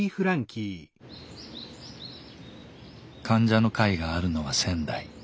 患者の会があるのは仙台。